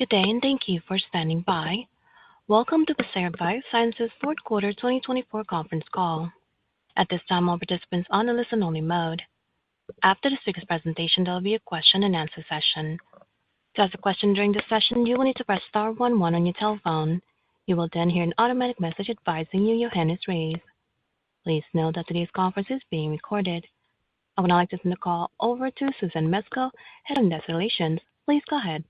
Good day, and thank you for standing by. Welcome to Pacira BioSciences' fourth quarter 2024 conference call. At this time, all participants are on a listen-only mode. After this speaker's presentation, there will be a question-and-answer session. To ask a question during this session, you will need to press star one one on your telephone. You will then hear an automatic message advising you your hand is raised. Please note that today's conference is being recorded. I would now like to turn the call over to Susan Mesco, Head of Investor Relations. Please go ahead.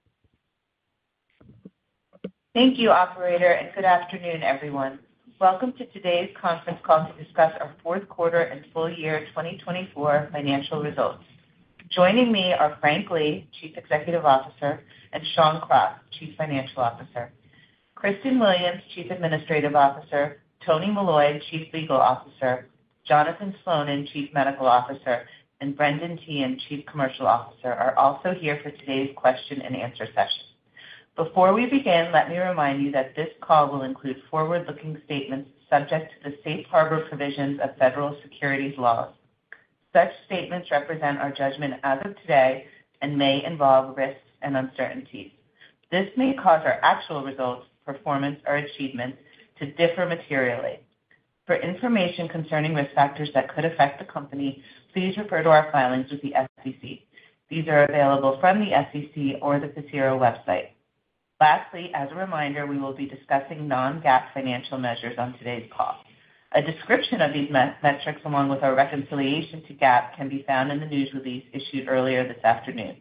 Thank you, operator, and good afternoon, everyone. Welcome to today's conference call to discuss our fourth quarter and full year 2024 financial results. Joining me are Frank Lee, Chief Executive Officer, and Shawn Cross, Chief Financial Officer. Kristen Williams, Chief Administrative Officer; Tony Molloy, Chief Legal Officer; Jonathan Slonin, Chief Medical Officer; and Brendan Teehan, Chief Commercial Officer, are also here for today's question-and-answer session. Before we begin, let me remind you that this call will include forward-looking statements subject to the safe harbor provisions of federal securities laws. Such statements represent our judgment as of today and may involve risks and uncertainties. This may cause our actual results, performance, or achievements to differ materially. For information concerning risk factors that could affect the company, please refer to our filings with the SEC. These are available from the SEC or the Pacira website. Lastly, as a reminder, we will be discussing non-GAAP financial measures on today's call. A description of these metrics, along with our reconciliation to GAAP, can be found in the news release issued earlier this afternoon.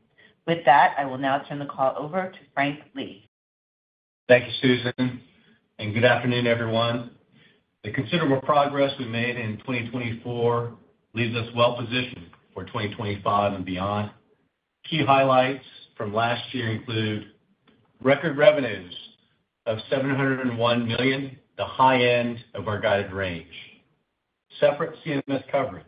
With that, I will now turn the call over to Frank Lee. Thank you, Susan, and good afternoon, everyone. The considerable progress we made in 2024 leaves us well-positioned for 2025 and beyond. Key highlights from last year include record revenues of $701 million, the high end of our guided range, separate CMS coverage,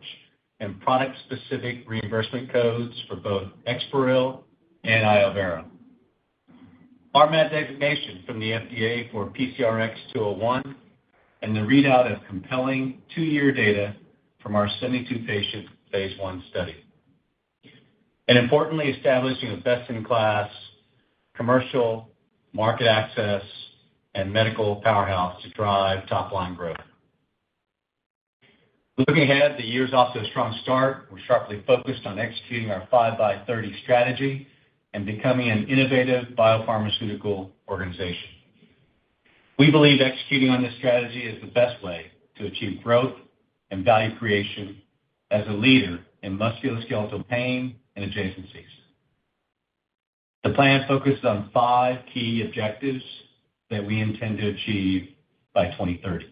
and product-specific reimbursement codes for both Exparel and iovera. Our RMAT designation from the FDA for PCRX-201. And the readout of compelling two-year data from our 72-patient phase I study. And importantly, establishing a best-in-class commercial market access and medical powerhouse to drive top-line growth. Looking ahead, the year is off to a strong start. We're sharply focused on executing our 5x30 strategy and becoming an innovative biopharmaceutical organization. We believe executing on this strategy is the best way to achieve growth and value creation as a leader in musculoskeletal pain and adjacencies. The plan focuses on five key objectives that we intend to achieve by 2030.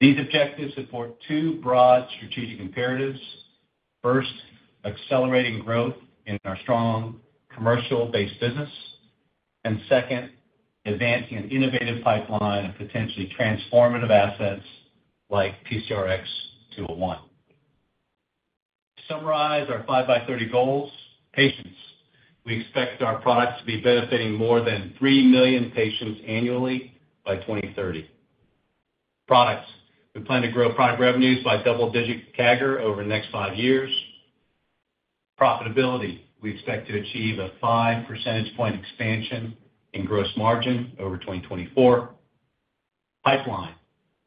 These objectives support two broad strategic imperatives. First, accelerating growth in our strong commercial-based business, and second, advancing an innovative pipeline of potentially transformative assets like PCRX-201. To summarize our 5x30 goals: Patients: We expect our products to be benefiting more than 3 million patients annually by 2030. Products: We plan to grow product revenues by double-digit CAGR over the next five years. Profitability: We expect to achieve a 5 percentage point expansion in gross margin over 2024. Pipeline: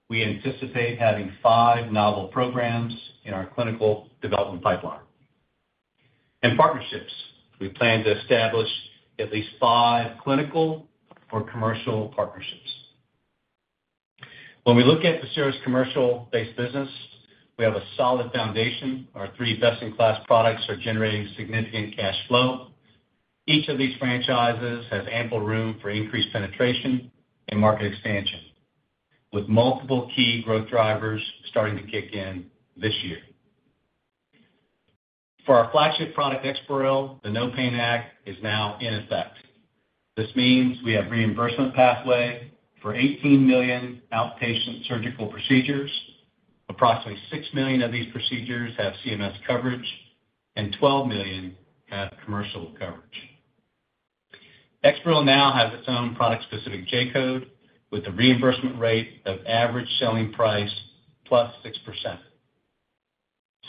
We anticipate having five novel programs in our clinical development pipeline. And partnerships: We plan to establish at least five clinical or commercial partnerships. When we look at Pacira's commercial-based business, we have a solid foundation. Our three best-in-class products are generating significant cash flow. Each of these franchises has ample room for increased penetration and market expansion, with multiple key growth drivers starting to kick in this year. For our flagship product, Exparel, the NOPAIN Act is now in effect. This means we have reimbursement pathways for 18 million outpatient surgical procedures. Approximately six million of these procedures have CMS coverage, and 12 million have commercial coverage. Exparel now has its own product-specific J code with a reimbursement rate of average selling price plus 6%.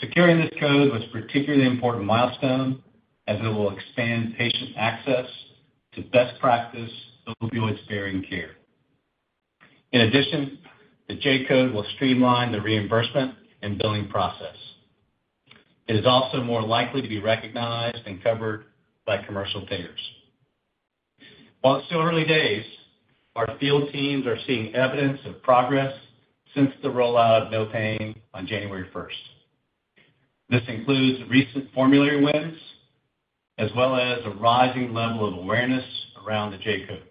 Securing this code was a particularly important milestone as it will expand patient access to best practice opioid-sparing care. In addition, the J code will streamline the reimbursement and billing process. It is also more likely to be recognized and covered by commercial payers. While it's still early days, our field teams are seeing evidence of progress since the rollout of NOPAIN on January 1st. This includes recent formulary wins as well as a rising level of awareness around the J code.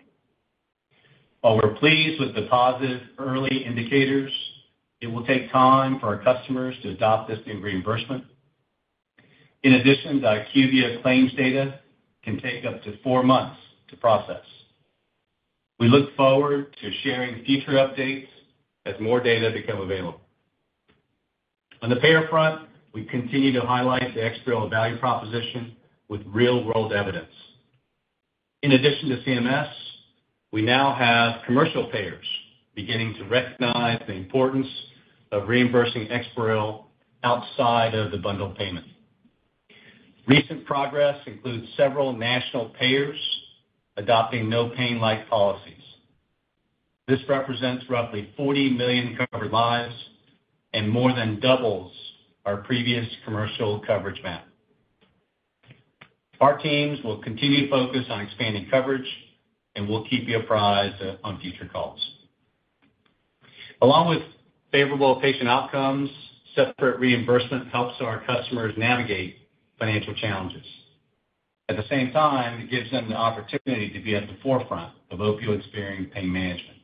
While we're pleased with the positive early indicators, it will take time for our customers to adopt this new reimbursement. In addition, the IQVIA claims data can take up to four months to process. We look forward to sharing future updates as more data becomes available. On the payer front, we continue to highlight the Exparel value proposition with real-world evidence. In addition to CMS, we now have commercial payers beginning to recognize the importance of reimbursing Exparel outside of the bundled payment. Recent progress includes several national payers adopting NOPAIN-like policies. This represents roughly 40 million covered lives and more than doubles our previous commercial coverage map. Our teams will continue to focus on expanding coverage, and we'll keep you apprised on future calls. Along with favorable patient outcomes, separate reimbursement helps our customers navigate financial challenges. At the same time, it gives them the opportunity to be at the forefront of opioid-sparing pain management.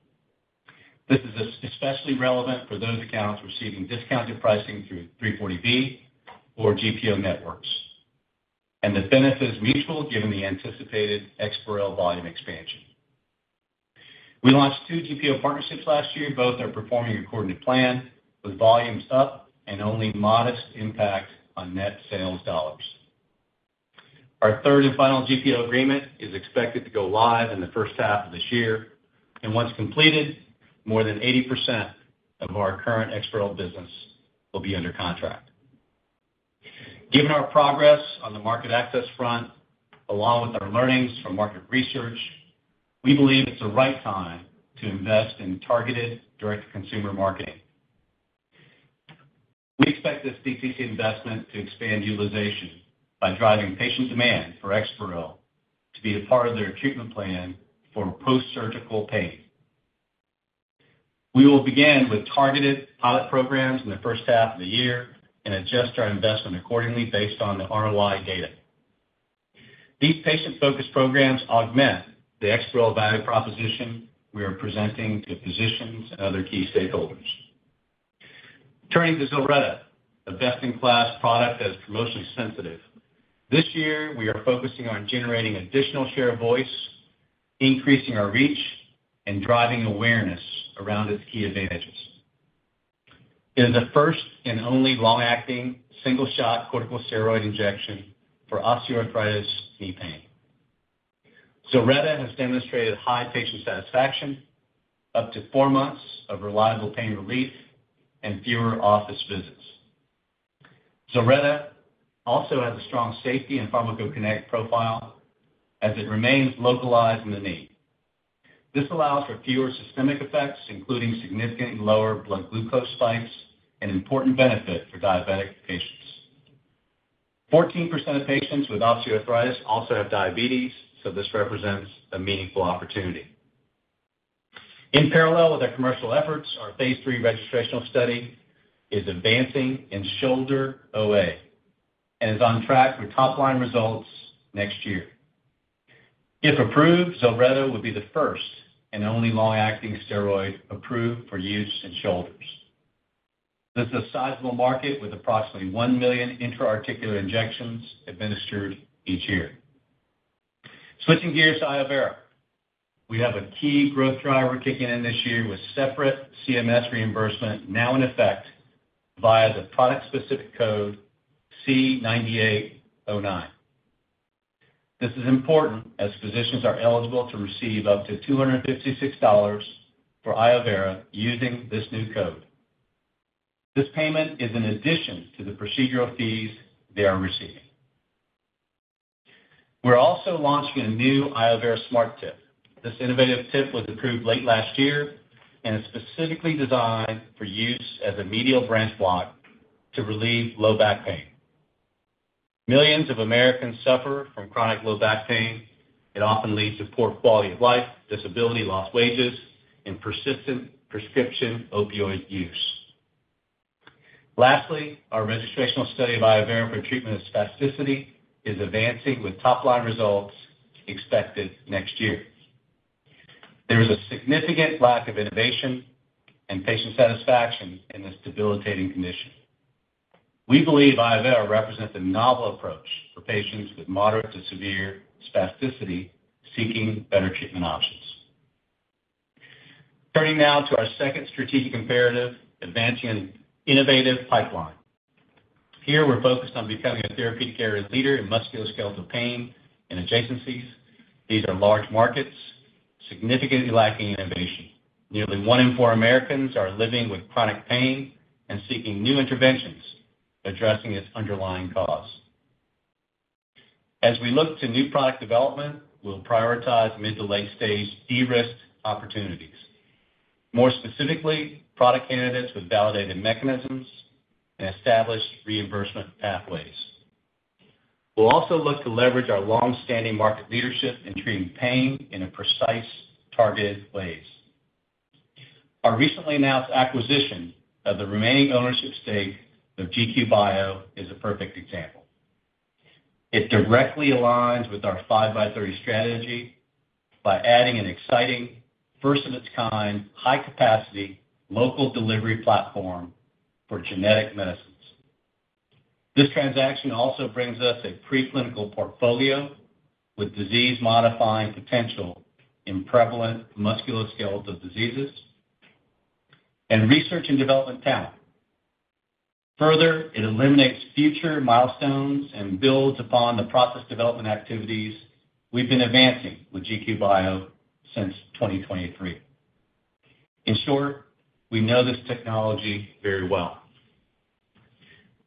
This is especially relevant for those accounts receiving discounted pricing through 340B or GPO Networks, and the benefit is mutual given the anticipated Exparel volume expansion. We launched two GPO partnerships last year. Both are performing according to plan, with volumes up and only modest impact on net sales dollars. Our third and final GPO agreement is expected to go live in the first half of this year, and once completed, more than 80% of our current Exparel business will be under contract. Given our progress on the market access front, along with our learnings from market research, we believe it's the right time to invest in targeted direct-to-consumer marketing. We expect this DTC investment to expand utilization by driving patient demand for Exparel to be a part of their treatment plan for post-surgical pain. We will begin with targeted pilot programs in the first half of the year and adjust our investment accordingly based on the ROI data. These patient-focused programs augment the Exparel value proposition we are presenting to physicians and other key stakeholders. Turning to Zilretta, a best-in-class product that is commercially sensitive, this year we are focusing on generating additional share of voice, increasing our reach, and driving awareness around its key advantages. It is the first and only long-acting single-shot corticosteroid injection for osteoarthritis knee pain. Zilretta has demonstrated high patient satisfaction, up to four months of reliable pain relief, and fewer office visits. Zilretta also has a strong safety and pharmacokinetic profile as it remains localized in the knee. This allows for fewer systemic effects, including significantly lower blood glucose spikes and important benefit for diabetic patients. 14% of patients with osteoarthritis also have diabetes, so this represents a meaningful opportunity. In parallel with our commercial efforts, our phase III registrational study is advancing in shoulder OA and is on track with top-line results next year. If approved, Zilretta would be the first and only long-acting steroid approved for use in shoulders. This is a sizable market with approximately one million intra-articular injections administered each year. Switching gears to iovera, we have a key growth driver kicking in this year with separate CMS reimbursement now in effect via the product-specific code C9809. This is important as physicians are eligible to receive up to $256 for iovera using this new code. This payment is in addition to the procedural fees they are receiving. We're also launching a new iovera Smart Tip. This innovative tip was approved late last year and is specifically designed for use as a medial branch block to relieve low back pain. Millions of Americans suffer from chronic low back pain. It often leads to poor quality of life, disability, lost wages, and persistent prescription opioid use. Lastly, our registrational study of iovera for treatment of spasticity is advancing with top-line results expected next year. There is a significant lack of innovation and patient satisfaction in this debilitating condition. We believe iovera represents a novel approach for patients with moderate to severe spasticity seeking better treatment options. Turning now to our second strategic imperative, advancing an innovative pipeline. Here, we're focused on becoming a therapeutic area leader in musculoskeletal pain and adjacencies. These are large markets significantly lacking innovation. Nearly one in four Americans are living with chronic pain and seeking new interventions addressing its underlying cause. As we look to new product development, we'll prioritize mid to late-stage de-risk opportunities, more specifically product candidates with validated mechanisms and established reimbursement pathways. We'll also look to leverage our long-standing market leadership in treating pain in precise targeted ways. Our recently announced acquisition of the remaining ownership stake of GQ Bio is a perfect example. It directly aligns with our 5x30 Strategy by adding an exciting, first-of-its-kind, high-capacity local delivery platform for genetic medicines. This transaction also brings us a preclinical portfolio with disease-modifying potential in prevalent musculoskeletal diseases and research and development talent. Further, it eliminates future milestones and builds upon the process development activities we've been advancing with GQ Bio since 2023. In short, we know this technology very well.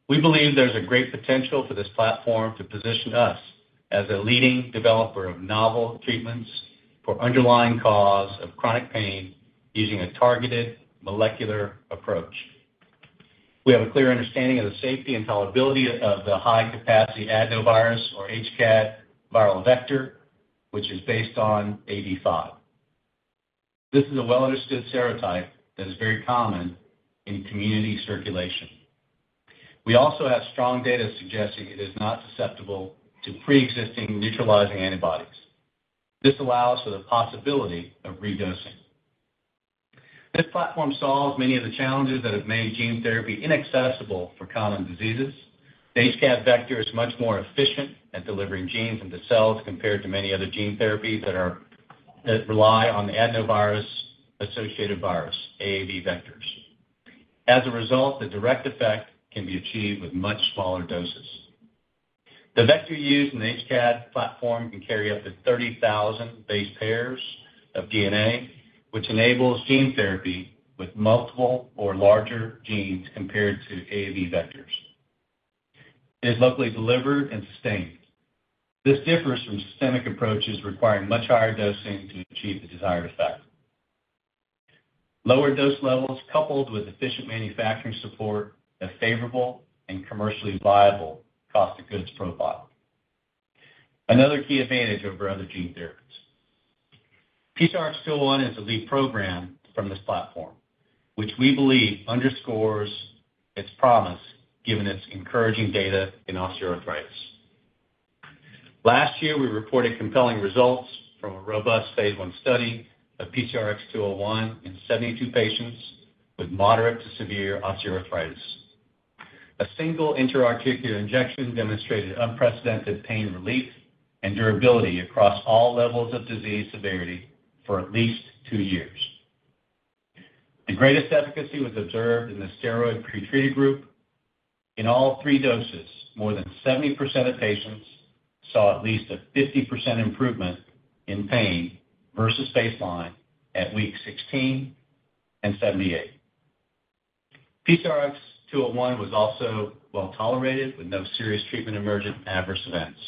We believe there's a great potential for this platform to position us as a leading developer of novel treatments for underlying cause of chronic pain using a targeted molecular approach. We have a clear understanding of the safety and tolerability of the high-capacity adenovirus, or HCAD, viral vector, which is based on Ad5. This is a well-understood serotype that is very common in community circulation. We also have strong data suggesting it is not susceptible to pre-existing neutralizing antibodies. This allows for the possibility of redosing. This platform solves many of the challenges that have made gene therapy inaccessible for common diseases. The HCAD vector is much more efficient at delivering genes into cells compared to many other gene therapies that rely on the adeno-associated virus, AAV vectors. As a result, the direct effect can be achieved with much smaller doses. The vector used in the HCAD platform can carry up to 30,000 base pairs of DNA, which enables gene therapy with multiple or larger genes compared to AAV vectors. It is locally delivered and sustained. This differs from systemic approaches requiring much higher dosing to achieve the desired effect. Lower dose levels coupled with efficient manufacturing support have a favorable and commercially viable cost of goods profile. Another key advantage over other gene therapies: PCRX-201 is a lead program from this platform, which we believe underscores its promise given its encouraging data in osteoarthritis. Last year, we reported compelling results from a robust phase I study of PCRX-201 in 72 patients with moderate to severe osteoarthritis. A single intra-articular injection demonstrated unprecedented pain relief and durability across all levels of disease severity for at least two years. The greatest efficacy was observed in the steroid pretreated group. In all three doses, more than 70% of patients saw at least a 50% improvement in pain versus baseline at week 16 and 78. PCRX-201 was also well tolerated with no serious treatment emergent adverse events.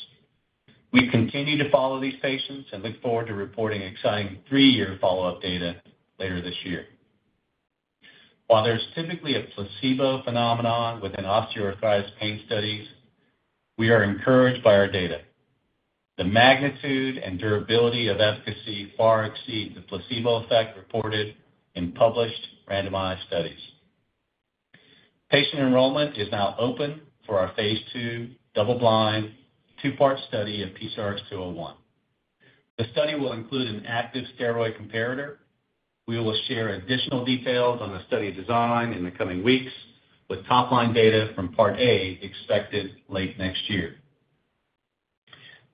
We continue to follow these patients and look forward to reporting exciting three-year follow-up data later this year. While there's typically a placebo phenomenon within osteoarthritis pain studies, we are encouraged by our data. The magnitude and durability of efficacy far exceeds the placebo effect reported in published randomized studies. Patient enrollment is now open for our phase II double-blind two-part study of PCRX-201. The study will include an active steroid comparator. We will share additional details on the study design in the coming weeks with top-line data from part A expected late next year.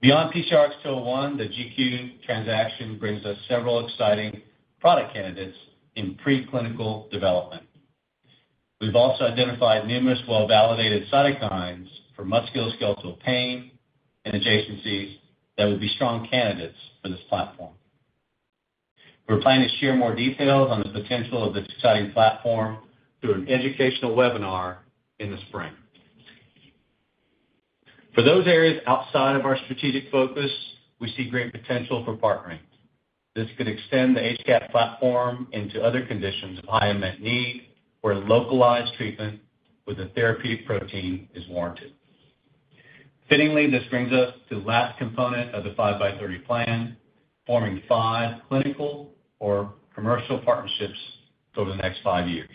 Beyond PCRX-201, the GQ transaction brings us several exciting product candidates in preclinical development. We've also identified numerous well-validated cytokines for musculoskeletal pain and adjacencies that will be strong candidates for this platform. We're planning to share more details on the potential of this exciting platform through an educational webinar in the spring. For those areas outside of our strategic focus, we see great potential for partnering. This could extend the HCAD platform into other conditions of high unmet need where localized treatment with a therapeutic protein is warranted. Fittingly, this brings us to the last component of the 5x30 plan, forming five clinical or commercial partnerships over the next five years.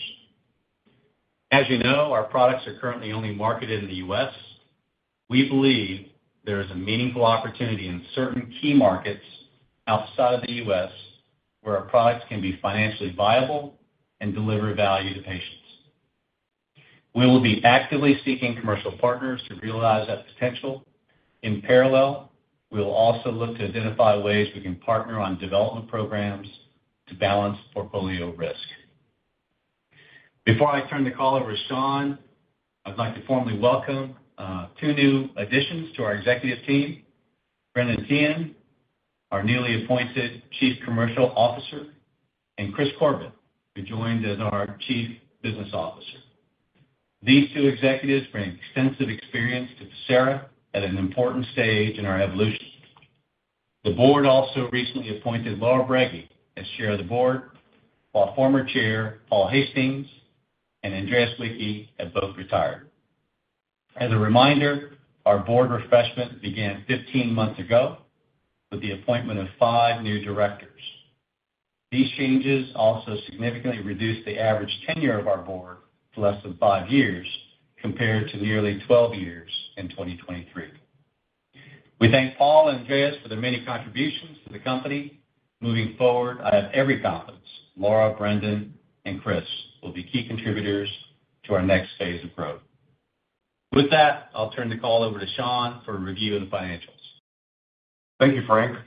As you know, our products are currently only marketed in the U.S. We believe there is a meaningful opportunity in certain key markets outside of the U.S. where our products can be financially viable and deliver value to patients. We will be actively seeking commercial partners to realize that potential. In parallel, we will also look to identify ways we can partner on development programs to balance portfolio risk. Before I turn the call over to Shawn, I'd like to formally welcome two new additions to our executive team, Brendan Teehan, our newly appointed Chief Commercial Officer, and Krys Corbett, who joined as our Chief Business Officer. These two executives bring extensive experience to Pacira at an important stage in our evolution. The board also recently appointed Laura Brege as Chair of the Board, while former chair Paul Hastings and Andreas Wicki have both retired. As a reminder, our board refreshment began 15 months ago with the appointment of five new directors. These changes also significantly reduced the average tenure of our board to less than five years compared to nearly 12 years in 2023. We thank Paul and Andreas for their many contributions to the company. Moving forward, I have every confidence Laura, Brendan, and Krys will be key contributors to our next phase of growth. With that, I'll turn the call over to Shawn for a review of the financials. Thank you, Frank.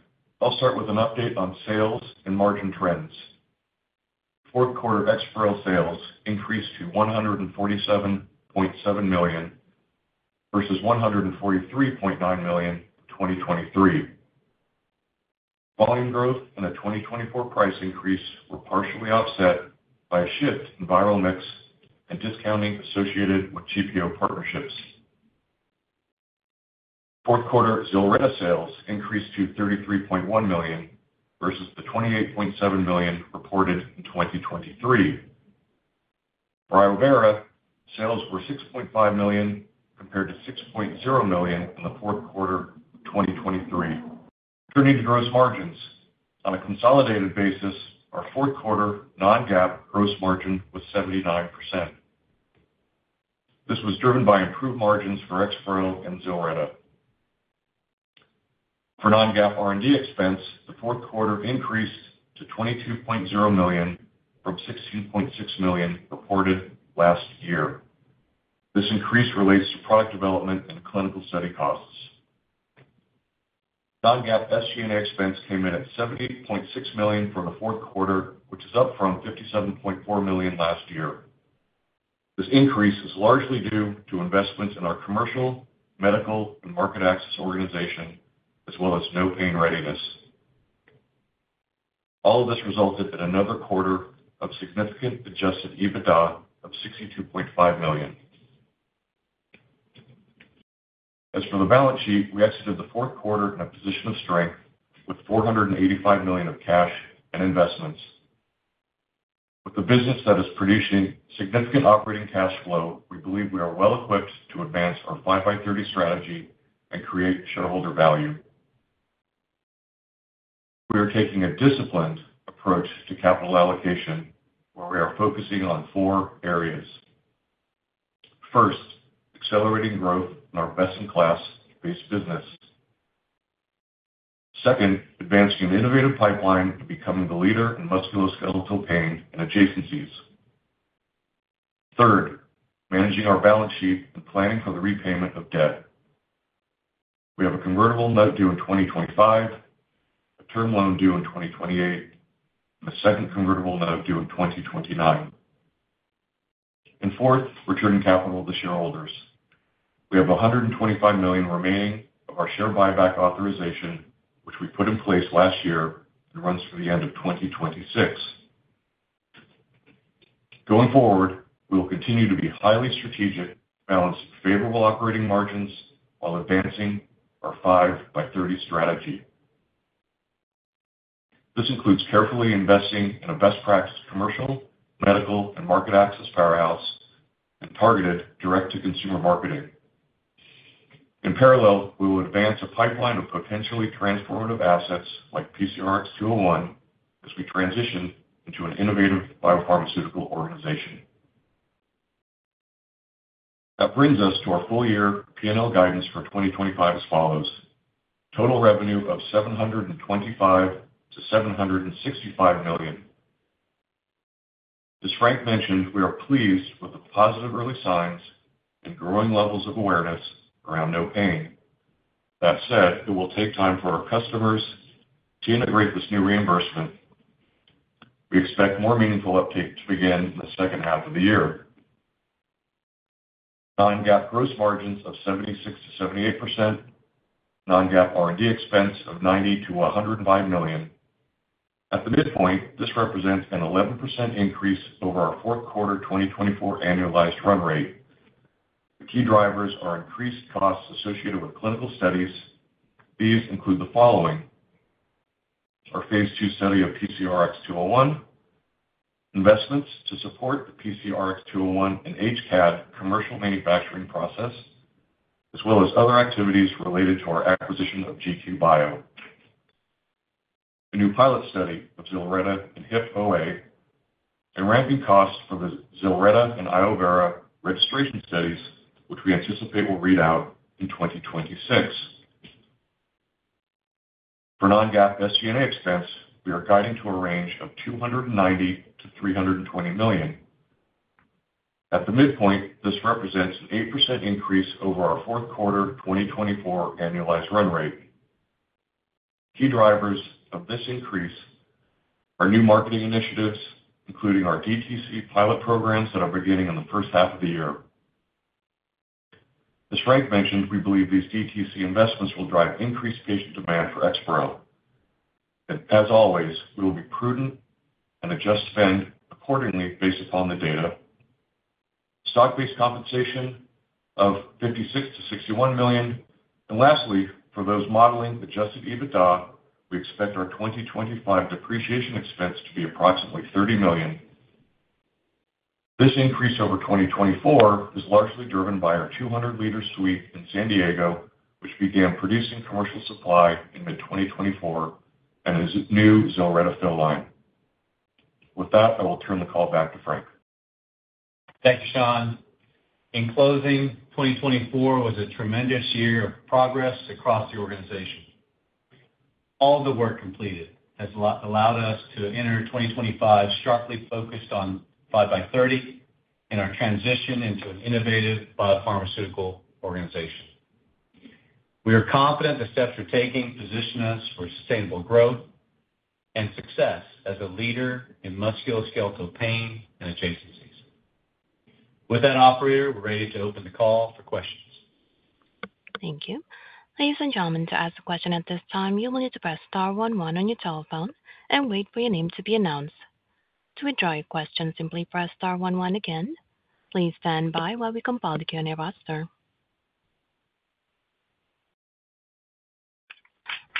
I'll start with an update on sales and margin trends. Fourth quarter Exparel sales increased to $147.7 million versus $143.9 million in 2023. Volume growth and a 2024 price increase were partially offset by a shift in vial mix and discounting associated with GPO partnerships. Fourth quarter Zilretta sales increased to $33.1 million versus the $28.7 million reported in 2023. For iovera, sales were $6.5 million compared to $6.0 million in the fourth quarter of 2023. Turning to gross margins, on a consolidated basis, our fourth quarter non-GAAP gross margin was 79%. This was driven by improved margins for Exparel and Zilretta. For non-GAAP R&D expense, the fourth quarter increased to $22.0 million from $16.6 million reported last year. This increase relates to product development and clinical study costs. Non-GAAP SG&A expense came in at $78.6 million for the fourth quarter, which is up from $57.4 million last year. This increase is largely due to investments in our commercial, medical, and market access organization, as well as NOPAIN readiness. All of this resulted in another quarter of significant Adjusted EBITDA of $62.5 million. As for the balance sheet, we exited the fourth quarter in a position of strength with $485 million of cash and investments. With the business that is producing significant operating cash flow, we believe we are well equipped to advance our 5x30 Strategy and create shareholder value. We are taking a disciplined approach to capital allocation where we are focusing on four areas. First, accelerating growth in our best-in-class base business. Second, advancing an innovative pipeline and becoming the leader in musculoskeletal pain and adjacencies. Third, managing our balance sheet and planning for the repayment of debt. We have a convertible note due in 2025, a term loan due in 2028, and a second convertible note due in 2029. And fourth, returning capital to shareholders. We have $125 million remaining of our share buyback authorization, which we put in place last year and runs through the end of 2026. Going forward, we will continue to be highly strategic, balancing favorable operating margins while advancing our 5x30 Strategy. This includes carefully investing in a best-practice commercial, medical, and market access powerhouse and targeted direct-to-consumer marketing. In parallel, we will advance a pipeline of potentially transformative assets like PCRX-201 as we transition into an innovative biopharmaceutical organization. That brings us to our full-year P&L guidance for 2025 as follows: total revenue of $725 million-$765 million. As Frank mentioned, we are pleased with the positive early signs and growing levels of awareness around NOPAIN. That said, it will take time for our customers to integrate this new reimbursement. We expect more meaningful uptake to begin in the second half of the year. Non-GAAP gross margins of 76%-78%, non-GAAP R&D expense of $90 million-$105 million. At the midpoint, this represents an 11% increase over our fourth quarter 2024 annualized run rate. The key drivers are increased costs associated with clinical studies. These include the following: our phase II study of PCRX-201, investments to support the PCRX-201 and HCAD commercial manufacturing process, as well as other activities related to our acquisition of GQ Bio. A new pilot study of Zilretta and hip OA, and ramping costs for the Zilretta and iovera registration studies, which we anticipate will read out in 2026. For non-GAAP SG&A expense, we are guiding to a range of $290 million-$320 million. At the midpoint, this represents an 8% increase over our fourth quarter 2024 annualized run rate. Key drivers of this increase are new marketing initiatives, including our DTC pilot programs that are beginning in the first half of the year. As Frank mentioned, we believe these DTC investments will drive increased patient demand for Exparel. As always, we will be prudent and adjust spend accordingly based upon the data. Stock-based compensation of $56 million-$61 million. And lastly, for those modeling adjusted EBITDA, we expect our 2025 depreciation expense to be approximately $30 million. This increase over 2024 is largely driven by our 200-liter suite in San Diego, which began producing commercial supply in mid-2024 and is a new Zilretta fill line. With that, I will turn the call back to Frank. Thank you, Shawn. In closing, 2024 was a tremendous year of progress across the organization. All of the work completed has allowed us to enter 2025 sharply focused on 5x30 and our transition into an innovative biopharmaceutical organization. We are confident the steps we're taking position us for sustainable growth and success as a leader in musculoskeletal pain and adjacencies. With that, operator, we're ready to open the call for questions. Thank you. Please don't jump in to ask a question at this time. You will need to press star one one on your telephone and wait for your name to be announced. To withdraw your question, simply press star one one again. Please stand by while we compile the Q&A roster.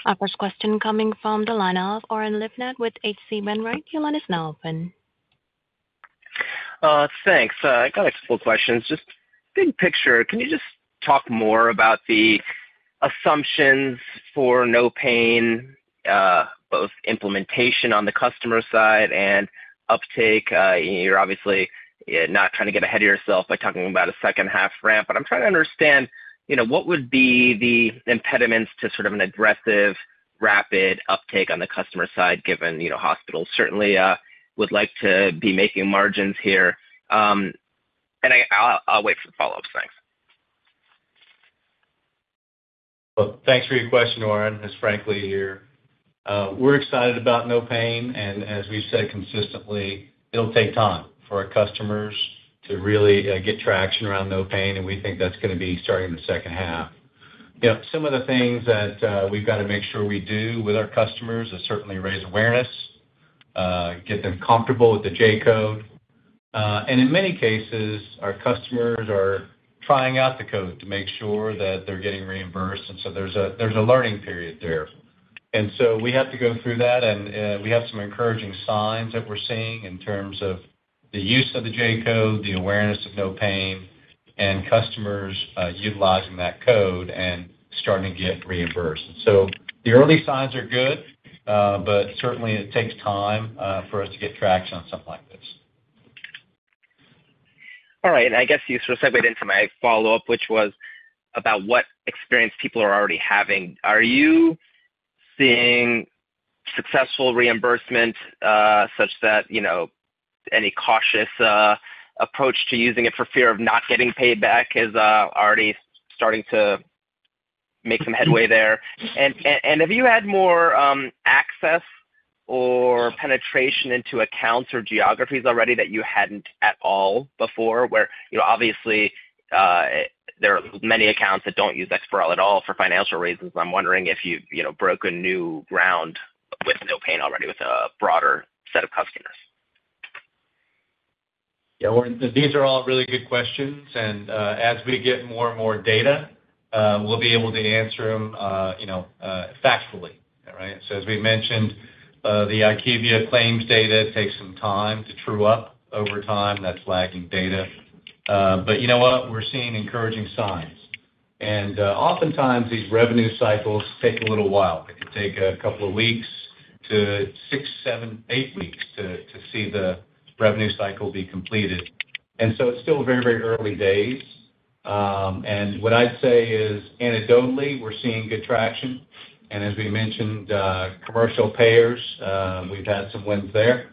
Our first question coming from the line of Oren Livnat with H.C. Wainwright & Co. Your line is now open. Thanks. I got a couple of questions. Just big picture, can you just talk more about the assumptions for NOPAIN, both implementation on the customer side and uptake? You're obviously not trying to get ahead of yourself by talking about a second-half ramp, but I'm trying to understand what would be the impediments to sort of an aggressive, rapid uptake on the customer side given hospitals certainly would like to be making margins here. And I'll wait for the follow-ups. Thanks. Well, thanks for your question, Oren. It's Frank Lee here. We're excited about NOPAIN. And as we've said consistently, it'll take time for our customers to really get traction around NOPAIN. And we think that's going to be starting in the second half. Some of the things that we've got to make sure we do with our customers is certainly raise awareness, get them comfortable with the J code. And in many cases, our customers are trying out the code to make sure that they're getting reimbursed. And so there's a learning period there. And so we have to go through that. And we have some encouraging signs that we're seeing in terms of the use of the J code, the awareness of NOPAIN, and customers utilizing that code and starting to get reimbursed. And so the early signs are good, but certainly it takes time for us to get traction on something like this. All right. And I guess you sort of segue into my follow-up, which was about what experience people are already having. Are you seeing successful reimbursement such that any cautious approach to using it for fear of not getting paid back is already starting to make some headway there? And have you had more access or penetration into accounts or geographies already that you hadn't at all before? Where obviously there are many accounts that don't use Exparel at all for financial reasons. I'm wondering if you've broken new ground with NOPAIN already with a broader set of customers. Yeah, Oren, these are all really good questions. And as we get more and more data, we'll be able to answer them factually. All right? So as we mentioned, the IQVIA claims data takes some time to true up over time. That's lagging data. But you know what? We're seeing encouraging signs. And oftentimes these revenue cycles take a little while. It could take a couple of weeks to six, seven, eight weeks to see the revenue cycle be completed. And so it's still very, very early days. And what I'd say is anecdotally, we're seeing good traction. And as we mentioned, commercial payers, we've had some wins there.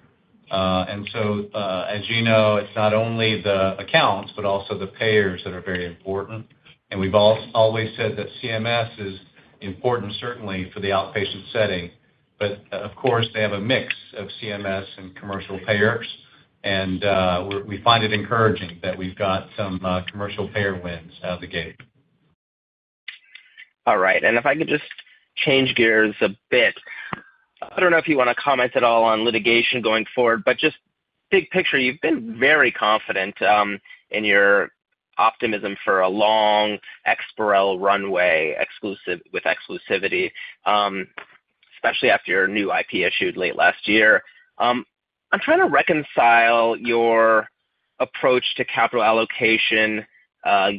And so as you know, it's not only the accounts, but also the payers that are very important. And we've always said that CMS is important certainly for the outpatient setting. But of course, they have a mix of CMS and commercial payers. And we find it encouraging that we've got some commercial payer wins out of the gate. All right. And if I could just change gears a bit, I don't know if you want to comment at all on litigation going forward, but just big picture, you've been very confident in your optimism for a long Exparel runway with exclusivity, especially after your new IP issued late last year. I'm trying to reconcile your approach to capital allocation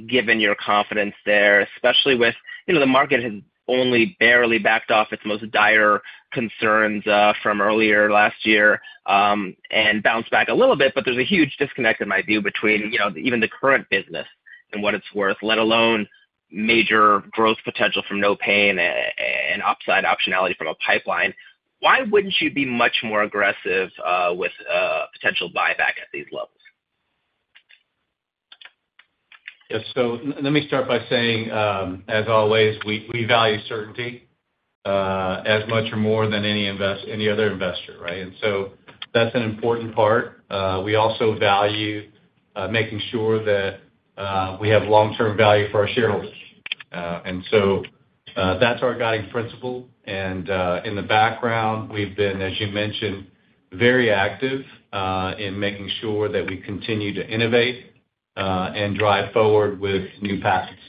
given your confidence there, especially with the market has only barely backed off its most dire concerns from earlier last year and bounced back a little bit. But there's a huge disconnect, in my view, between even the current business and what it's worth, let alone major growth potential from NOPAIN and upside optionality from a pipeline. Why wouldn't you be much more aggressive with potential buyback at these levels? Yeah. So let me start by saying, as always, we value certainty as much or more than any other investor, right? And so that's an important part. We also value making sure that we have long-term value for our shareholders. And so that's our guiding principle. And in the background, we've been, as you mentioned, very active in making sure that we continue to innovate and drive forward with new patents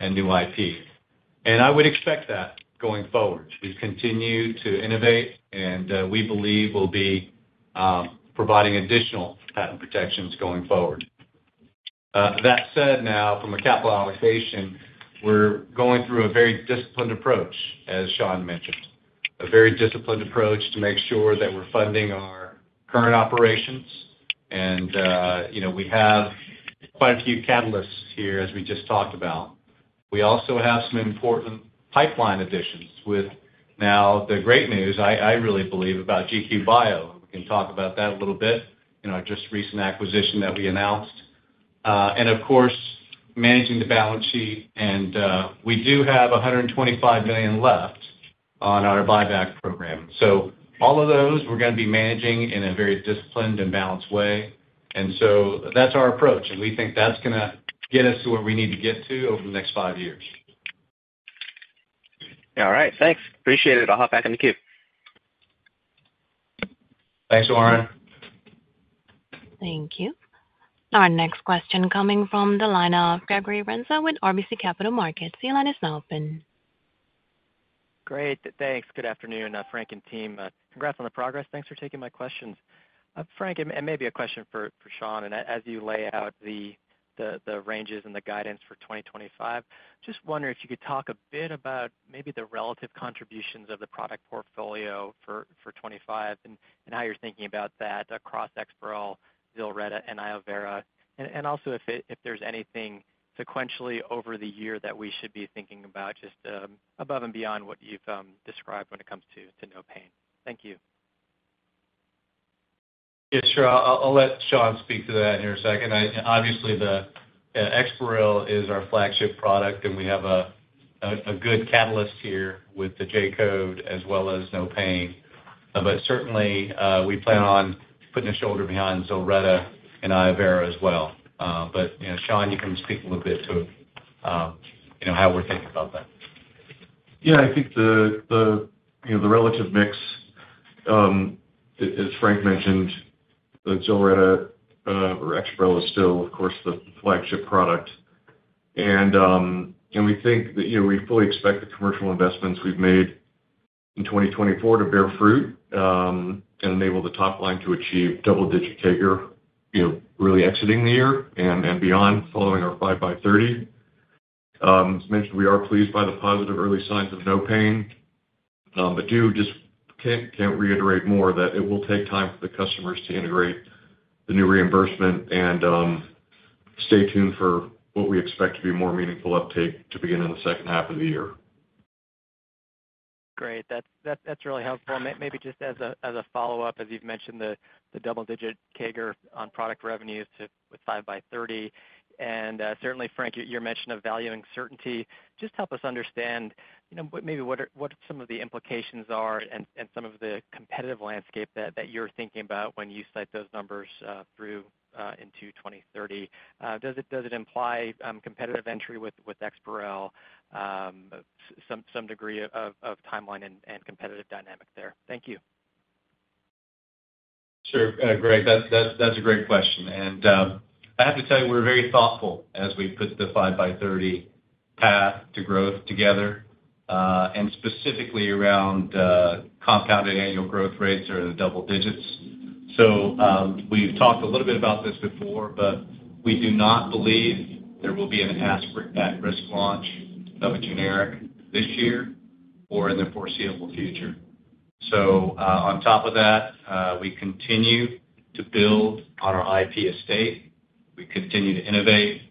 and new IP. And I would expect that going forward. We continue to innovate, and we believe we'll be providing additional patent protections going forward. That said, now from a capital allocation, we're going through a very disciplined approach, as Shawn mentioned, a very disciplined approach to make sure that we're funding our current operations. And we have quite a few catalysts here, as we just talked about. We also have some important pipeline additions with now the great news I really believe about GQ Bio. We can talk about that a little bit, just recent acquisition that we announced. And of course, managing the balance sheet. And we do have $125 million left on our buyback program. So all of those we're going to be managing in a very disciplined and balanced way. And so that's our approach. And we think that's going to get us to where we need to get to over the next five years. All right. Thanks. Appreciate it. I'll hop back in the queue. Thanks, Oren. Thank you. Our next question coming from the line of Gregory Renza with RBC Capital Markets. Your line is now open. Great. Thanks. Good afternoon, Frank and team. Congrats on the progress. Thanks for taking my questions. Frank, and maybe a question for Shawn. As you lay out the ranges and the guidance for 2025, just wondering if you could talk a bit about maybe the relative contributions of the product portfolio for '25 and how you're thinking about that across Exparel, Zilretta, and iovera. Also if there's anything sequentially over the year that we should be thinking about, just above and beyond what you've described when it comes to NOPAIN. Thank you. Yes, sure. I'll let Shawn speak to that in a second. Obviously, Exparel is our flagship product, and we have a good catalyst here with the J code as well as NOPAIN. Certainly, we plan on putting a shoulder behind Zilretta and iovera as well. Shawn, you can speak a little bit to how we're thinking about that. Yeah. I think the relative mix, as Frank mentioned, Zilretta or Exparel is still, of course, the flagship product. And we think that we fully expect the commercial investments we've made in 2024 to bear fruit and enable the top line to achieve double-digit CAGR, really exiting the year and beyond following our 5x30. As mentioned, we are pleased by the positive early signs of NOPAIN. But just can't reiterate more that it will take time for the customers to integrate the new reimbursement. And stay tuned for what we expect to be more meaningful uptake to begin in the second half of the year. Great. That's really helpful. Maybe just as a follow-up, as you've mentioned, the double-digit CAGR on product revenues with 5x30. And certainly, Frank, you're mentioning a value in certainty. Just help us understand maybe what some of the implications are and some of the competitive landscape that you're thinking about when you cite those numbers through into 2030. Does it imply competitive entry with Exparel, some degree of timeline and competitive dynamic there? Thank you. Sure. Great. That's a great question, and I have to tell you, we're very thoughtful as we put the 5x30 path to growth together, and specifically around compound annual growth rates that are in the double digits, so we've talked a little bit about this before, but we do not believe there will be an at-risk launch of a generic this year or in the foreseeable future, so on top of that, we continue to build on our IP estate. We continue to innovate,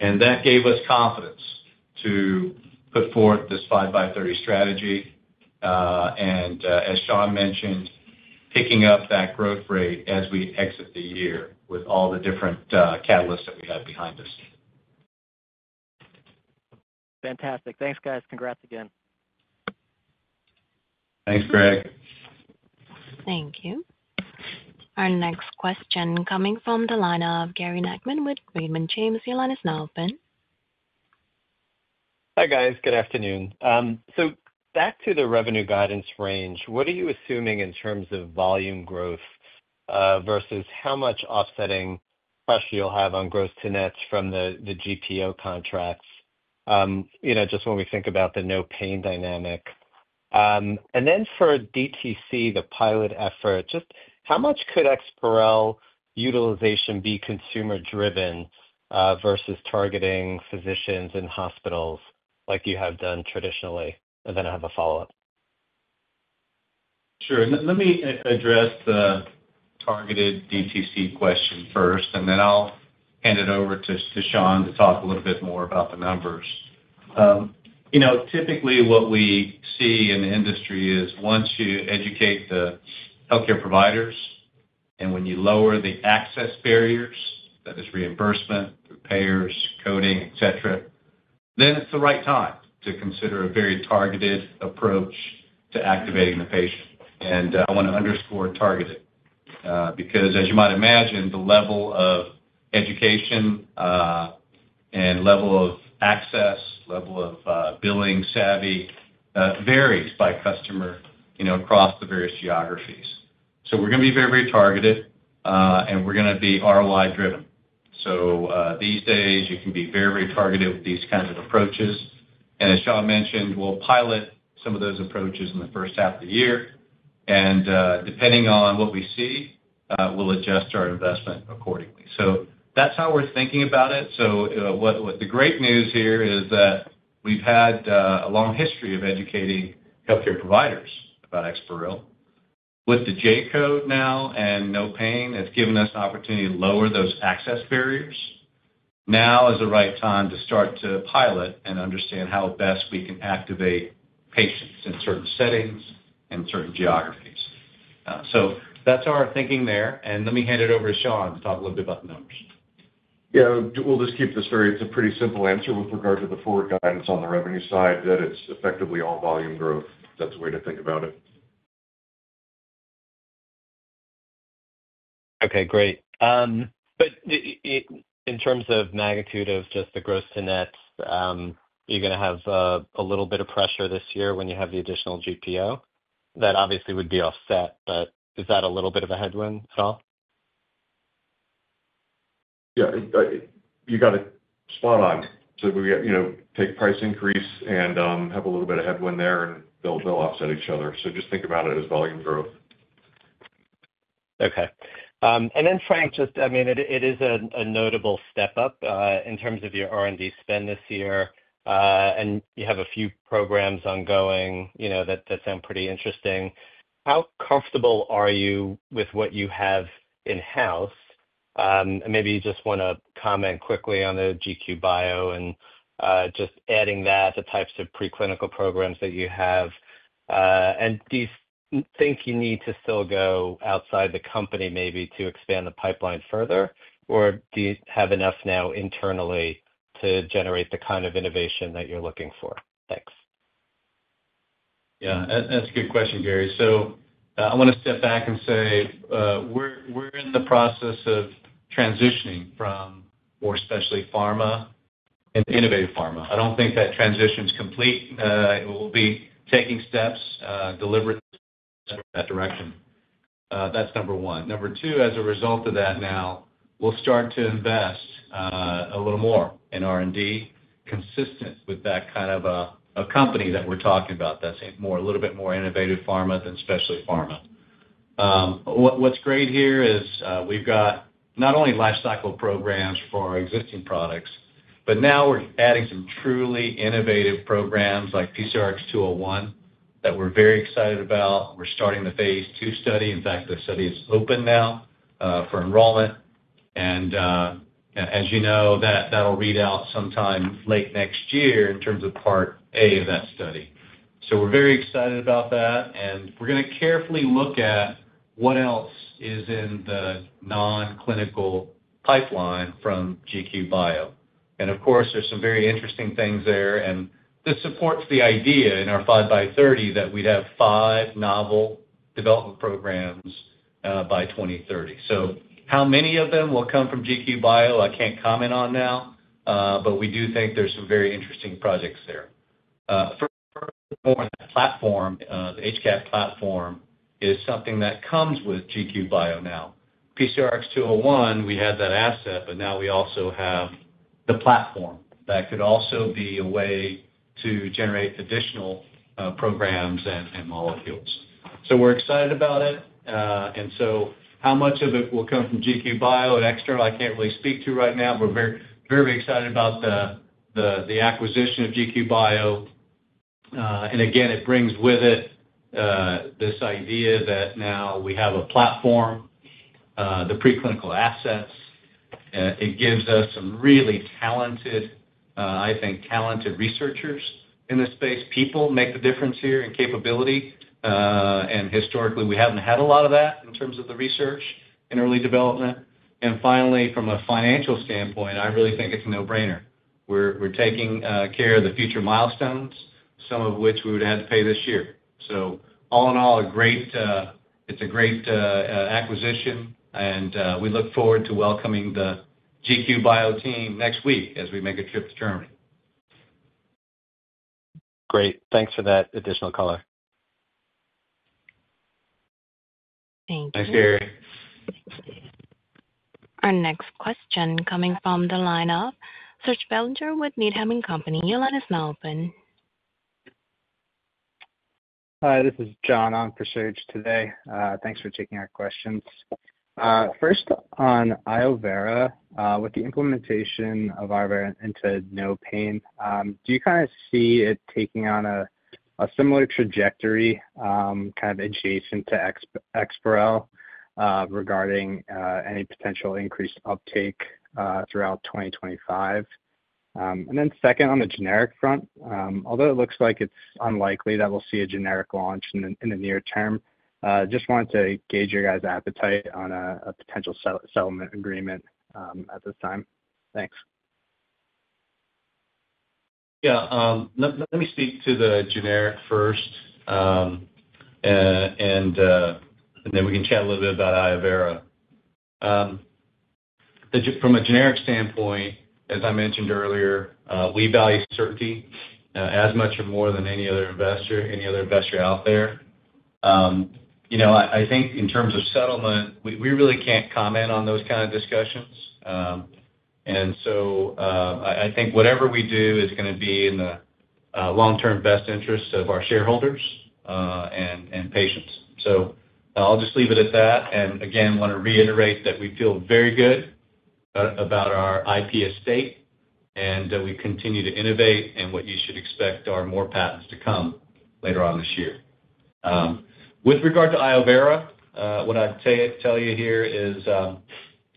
and that gave us confidence to put forth this 5x30 strategy. And as Shawn mentioned, picking up that growth rate as we exit the year with all the different catalysts that we have behind us. Fantastic. Thanks, guys. Congrats again. Thanks, Greg. Thank you. Our next question coming from the line of Gary Nachman with Raymond James. Your line is now open. Hi guys. Good afternoon. So back to the revenue guidance range. What are you assuming in terms of volume growth versus how much offsetting pressure you'll have on gross margins from the GPO contracts just when we think about the NOPAIN dynamic? And then for DTC, the pilot effort, just how much could Exparel utilization be consumer-driven versus targeting physicians and hospitals like you have done traditionally? And then I have a follow-up. Sure. Let me address the targeted DTC question first, and then I'll hand it over to Shawn to talk a little bit more about the numbers. Typically, what we see in the industry is once you educate the healthcare providers and when you lower the access barriers, that is reimbursement, payers, coding, etc., then it's the right time to consider a very targeted approach to activating the patient, and I want to underscore targeted because, as you might imagine, the level of education and level of access, level of billing savvy varies by customer across the various geographies, so we're going to be very, very targeted, and we're going to be ROI-driven, so these days, you can be very, very targeted with these kinds of approaches, and as Shawn mentioned, we'll pilot some of those approaches in the first half of the year. Depending on what we see, we'll adjust our investment accordingly. That's how we're thinking about it. The great news here is that we've had a long history of educating healthcare providers about Exparel. With the J code now and NOPAIN Act, it's given us an opportunity to lower those access barriers. Now is the right time to start to pilot and understand how best we can activate patients in certain settings and certain geographies. That's our thinking there. Let me hand it over to Shawn to talk a little bit about the numbers. Yeah. We'll just keep this very. It's a pretty simple answer with regard to the forward guidance on the revenue side that it's effectively all volume growth. That's the way to think about it. Okay. Great. But in terms of magnitude of just the gross-to-nets, you're going to have a little bit of pressure this year when you have the additional GPO? That obviously would be offset, but is that a little bit of a headwind at all? Yeah. You got it spot on. So we take price increase and have a little bit of headwind there, and they'll offset each other. So just think about it as volume growth. Okay. And then, Frank, just I mean, it is a notable step up in terms of your R&D spend this year. And you have a few programs ongoing that sound pretty interesting. How comfortable are you with what you have in-house? And maybe you just want to comment quickly on the GQ Bio and just adding that, the types of preclinical programs that you have. Do you think you need to still go outside the company maybe to expand the pipeline further? Or do you have enough now internally to generate the kind of innovation that you're looking for? Thanks. Yeah. That's a good question, Gary. So I want to step back and say we're in the process of transitioning from, more especially, pharma and innovative pharma. I don't think that transition's complete. We'll be taking steps deliberately in that direction. That's number one. Number two, as a result of that now, we'll start to invest a little more in R&D consistent with that kind of a company that we're talking about that's a little bit more innovative pharma than specialty pharma. What's great here is we've got not only lifecycle programs for our existing products, but now we're adding some truly innovative programs like PCRX-201 that we're very excited about. We're starting the phase II study. In fact, the study is open now for enrollment. And as you know, that'll read out sometime late next year in terms of part A of that study. So we're very excited about that. And we're going to carefully look at what else is in the non-clinical pipeline from GQ Bio. And of course, there's some very interesting things there. And this supports the idea in our 5x30 that we'd have five novel development programs by 2030. So how many of them will come from GQ Bio, I can't comment on now, but we do think there's some very interesting projects there. First of all, the platform, the HCAD platform, is something that comes with GQ Bio now. PCRX-201, we had that asset, but now we also have the platform that could also be a way to generate additional programs and molecules. So we're excited about it. And so how much of it will come from GQ Bio and Exparel, I can't really speak to right now, but we're very, very excited about the acquisition of GQ Bio. And again, it brings with it this idea that now we have a platform, the preclinical assets. It gives us some really talented, I think, talented researchers in this space. People make the difference here in capability. And historically, we haven't had a lot of that in terms of the research and early development. And finally, from a financial standpoint, I really think it's a no-brainer. We're taking care of the future milestones, some of which we would have had to pay this year. So all in all, it's a great acquisition. And we look forward to welcoming the GQ Bio team next week as we make a trip to Germany. Great. Thanks for that additional color. Thank you. Thanks, Gary. Our next question coming from the line of Serge Belanger with Needham & Company. Your line is now open. Hi. This is John on for Serge today. Thanks for taking our questions. First, on iovera, with the implementation of iovera into NOPAIN, do you kind of see it taking on a similar trajectory kind of adjacent to Exparel regarding any potential increased uptake throughout 2025? And then second, on the generic front, although it looks like it's unlikely that we'll see a generic launch in the near term, just wanted to gauge your guys' appetite on a potential settlement agreement at this time. Thanks. Yeah. Let me speak to the generic first, and then we can chat a little bit about iovera. From a generic standpoint, as I mentioned earlier, we value certainty as much or more than any other investor out there. I think in terms of settlement, we really can't comment on those kinds of discussions. And so I think whatever we do is going to be in the long-term best interest of our shareholders and patients. So I'll just leave it at that. And again, want to reiterate that we feel very good about our IP estate, and we continue to innovate. And what you should expect are more patents to come later on this year. With regard to iovera, what I'd tell you here is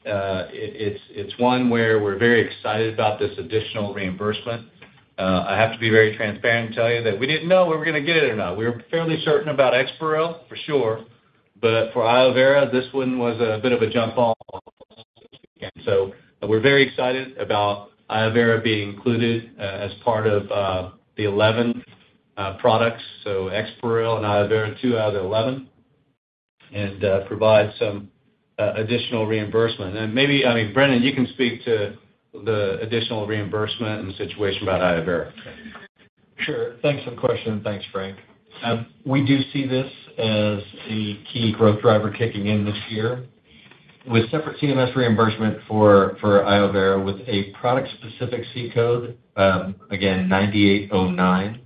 it's one where we're very excited about this additional reimbursement. I have to be very transparent and tell you that we didn't know we were going to get it or not. We were fairly certain about Exparel, for sure. But for iovera, this one was a bit of a jump ball. So we're very excited about iovera being included as part of the 11 products. So Exparel and iovera, two out of the 11, and provide some additional reimbursement. And maybe, I mean, Brendan, you can speak to the additional reimbursement and situation about iovera. Sure. Thanks for the question. Thanks, Frank. We do see this as a key growth driver kicking in this year with separate CMS reimbursement for iovera with a product-specific C code, C9809.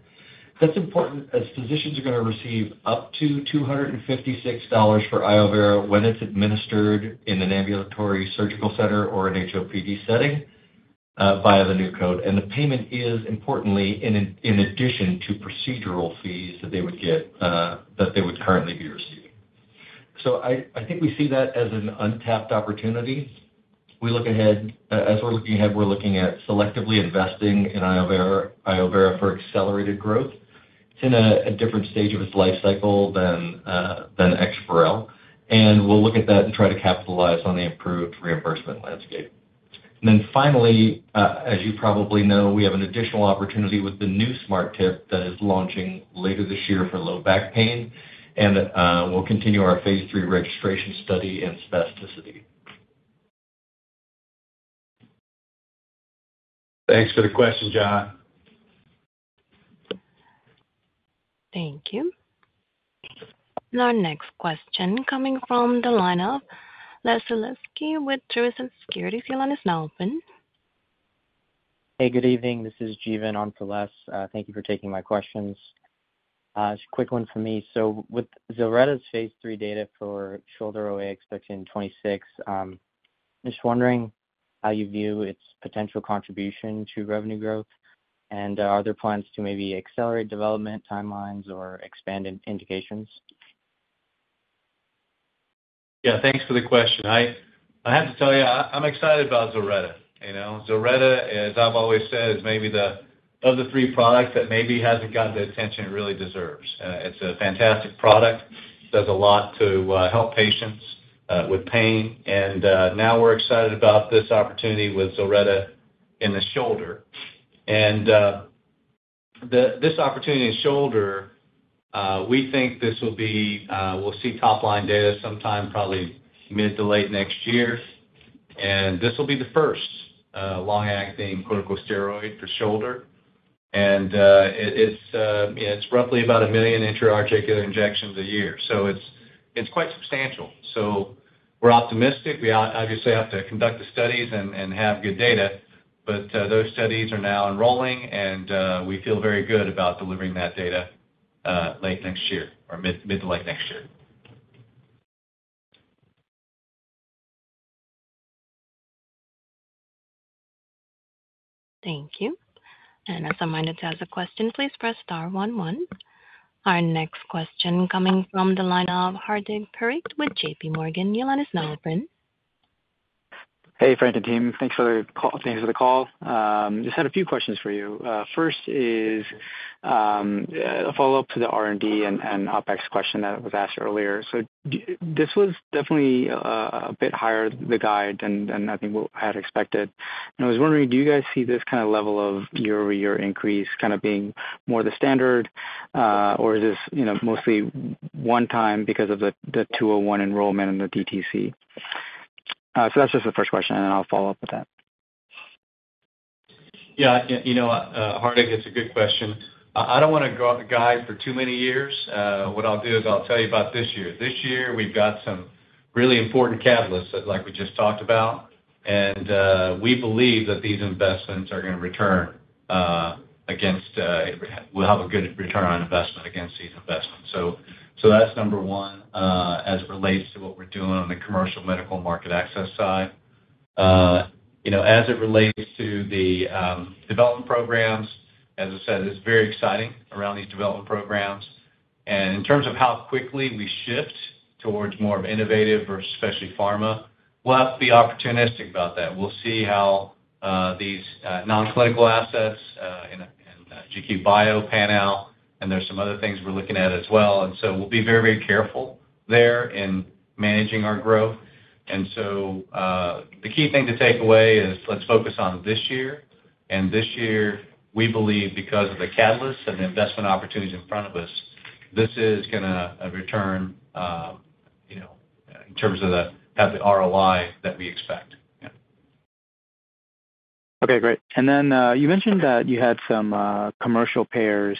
That's important as physicians are going to receive up to $256 for iovera when it's administered in an ambulatory surgical center or an HOPD setting via the new code. And the payment is, importantly, in addition to procedural fees that they would get that they would currently be receiving. So I think we see that as an untapped opportunity. As we're looking ahead, we're looking at selectively investing in iovera for accelerated growth. It's in a different stage of its life cycle than Exparel. And we'll look at that and try to capitalize on the improved reimbursement landscape. And then finally, as you probably know, we have an additional opportunity with the new Smart Tip that is launching later this year for low back pain. And we'll continue our phase III registration study and spasticity. Thanks for the question, John. Thank you. Our next question coming from the line of Les Sulewski with Truist Securities. Your line is now open. Hey, good evening. This is Jeevan on for Les. Thank you for taking my questions. Quick one for me. So with Zilretta's phase III data for shoulder OA expected in 2026, just wondering how you view its potential contribution to revenue growth. Are there plans to maybe accelerate development timelines or expand indications? Yeah. Thanks for the question. I have to tell you, I'm excited about Zilretta. Zilretta, as I've always said, is maybe the other three products that maybe hasn't gotten the attention it really deserves. It's a fantastic product. It does a lot to help patients with pain. And now we're excited about this opportunity with Zilretta in the shoulder. And this opportunity in shoulder, we think this will be we'll see top-line data sometime probably mid to late next year. And this will be the first long-acting corticosteroid for shoulder. And it's roughly about 1 million intra-articular injections a year. So it's quite substantial. So we're optimistic. We obviously have to conduct the studies and have good data. But those studies are now enrolling, and we feel very good about delivering that data late next year or mid to late next year. Thank you. And as a reminder, to ask a question, please press star one one. Our next question coming from the line of Hardeep Tuli with JPMorgan. Your line is now open. Hey, Frank and team. Thanks for the call. Just had a few questions for you. First is a follow-up to the R&D and OpEx question that was asked earlier. So this was definitely a bit higher than the guide and I think what I had expected. And I was wondering, do you guys see this kind of level of year-over-year increase kind of being more the standard? Or is this mostly one time because of the PCRX-201 enrollment and the DTC? So that's just the first question, and I'll follow up with that. Yeah. Hardeep, it's a good question. I don't want to guide for too many years. What I'll do is I'll tell you about this year. This year, we've got some really important catalysts like we just talked about. And we believe that these investments are going to return against we'll have a good return on investment against these investments. So that's number one as it relates to what we're doing on the commercial medical market access side. As it relates to the development programs, as I said, it's very exciting around these development programs. And in terms of how quickly we shift towards more of innovative versus specialty pharma, we'll have to be opportunistic about that. We'll see how these non-clinical assets and GQ Bio pan out. And there's some other things we're looking at as well. And so we'll be very, very careful there in managing our growth. And so the key thing to take away is let's focus on this year. And this year, we believe because of the catalysts and the investment opportunities in front of us, this is going to return in terms of the ROI that we expect. Yeah. Okay. Great. And then you mentioned that you had some commercial payers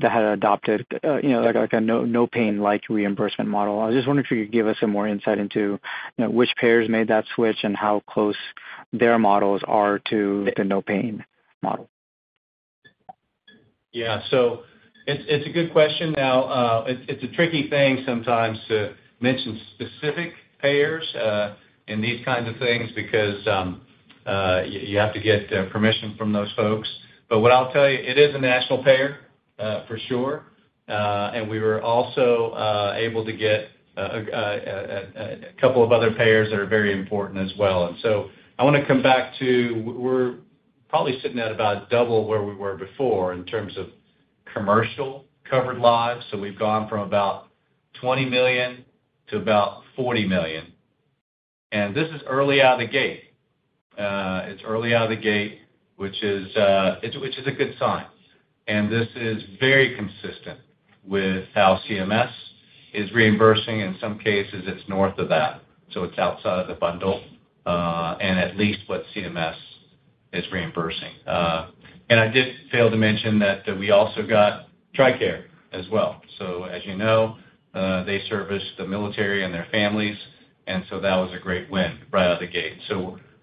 that had adopted a NOPAIN-like reimbursement model. I was just wondering if you could give us some more insight into which payers made that switch and how close their models are to the NOPAIN model. Yeah. So it's a good question. Now, it's a tricky thing sometimes to mention specific payers in these kinds of things because you have to get permission from those folks. But what I'll tell you, it is a national payer for sure. We were also able to get a couple of other payers that are very important as well. I want to come back to the fact that we're probably sitting at about double where we were before in terms of commercial covered lives. We've gone from about 20 million to about 40 million. This is early out of the gate. It's early out of the gate, which is a good sign. This is very consistent with how CMS is reimbursing. In some cases, it's north of that. It's outside of the bundle and at least what CMS is reimbursing. I did fail to mention that we also got TRICARE as well. As you know, they service the military and their families. That was a great win right out of the gate.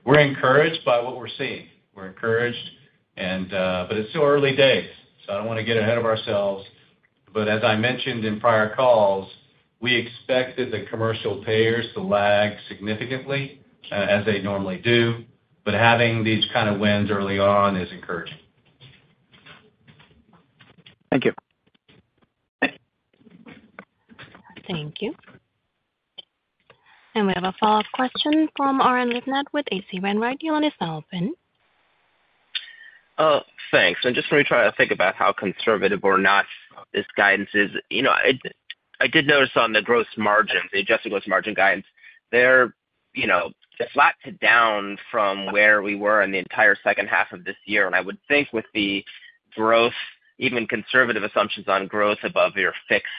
We're encouraged by what we're seeing. We're encouraged. But it's still early days. So I don't want to get ahead of ourselves. But as I mentioned in prior calls, we expected the commercial payers to lag significantly as they normally do. But having these kinds of wins early on is encouraging. Thank you. Thank you. And we have a follow-up question from Oren Livnat of H.C. Wainwright. Your line is now open. Thanks. And just let me try to think about how conservative or not this guidance is. I did notice on the gross margins, the adjusted gross margin guidance, they're flat to down from where we were in the entire second half of this year. And I would think with the growth, even conservative assumptions on growth above your fixed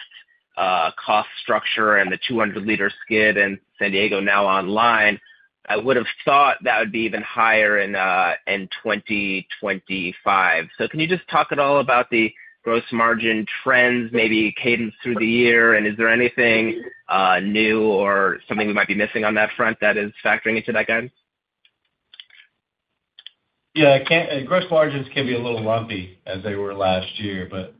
cost structure and the 200-liter suite in San Diego now online, I would have thought that would be even higher in 2025. Can you just talk at all about the gross margin trends, maybe cadence through the year? And is there anything new or something we might be missing on that front that is factoring into that guidance? Yeah. Gross margins can be a little lumpy as they were last year. But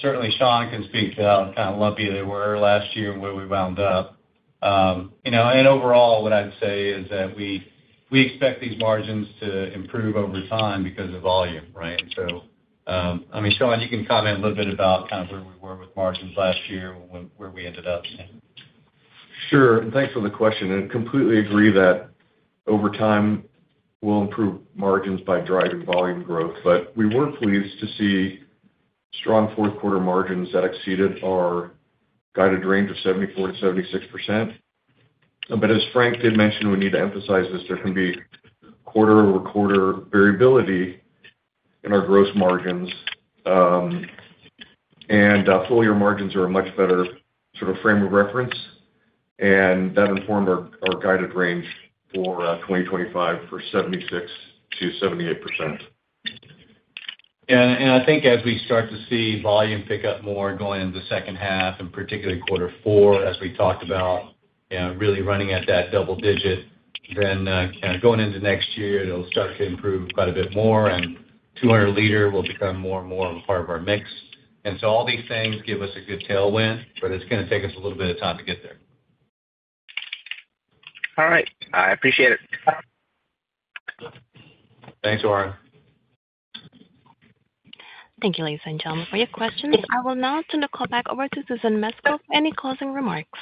certainly, Shawn can speak to how kind of lumpy they were last year and where we wound up. And overall, what I'd say is that we expect these margins to improve over time because of volume, right? So I mean, Shawn, you can comment a little bit about kind of where we were with margins last year, where we ended up. Sure. And thanks for the question. I completely agree that over time, we'll improve margins by driving volume growth. But we were pleased to see strong fourth-quarter margins that exceeded our guided range of 74%-76%. But as Frank did mention, we need to emphasize this. There can be quarter-over-quarter variability in our gross margins. And full-year margins are a much better sort of frame of reference. And that informed our guided range for 2025 for 76%-78%. And I think as we start to see volume pick up more going into the second half, and particularly quarter four, as we talked about, really running at that double digit, then going into next year, it'll start to improve quite a bit more. And 200-liter will become more and more of a part of our mix. And so all these things give us a good tailwind, but it's going to take us a little bit of time to get there. All right. I appreciate it. Thanks, Oren. Thank you ladies and gentlemen for your questions. I will now turn the call back over to Susan Mesco for any closing remarks.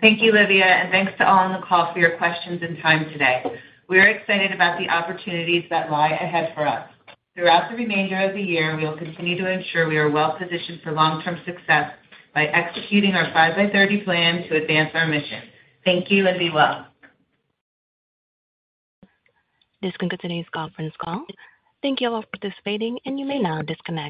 Thank you, Livia, and thanks to all on the call for your questions and time today. We are excited about the opportunities that lie ahead for us. Throughout the remainder of the year, we will continue to ensure we are well-positioned for long-term success by executing our 5x30 plan to advance our mission. Thank you and be well. This concludes today's conference call. Thank you all for participating, and you may now disconnect.